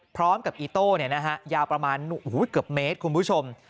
พร้อมกับอีโต้เนี่ยนะฮะยาวประมาณเมตรคุณผู้ชม